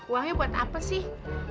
uangnya buat apa sih